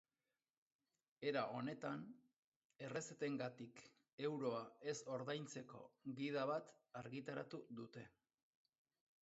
Era honetan, errezetengatik euroa ez ordaintzeko gida bat argitaratu dute.